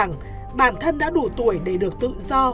và cũng cho rằng bản thân đã đủ tuổi để được tự do